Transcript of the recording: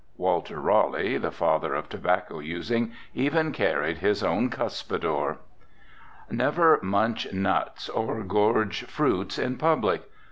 Walter Raleigh, the father of tobacco using, even carried his own cuspidor. Never munch nuts or gorge fruits in public.